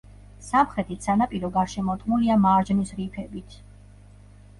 სამხრეთით სანაპირო გარშემორტყმულია მარჯნის რიფებით.